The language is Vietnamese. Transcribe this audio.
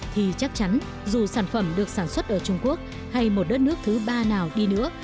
thì chắc chắn dù sản phẩm được sản xuất ở trung quốc hay một đất nước thứ ba nào đi nữa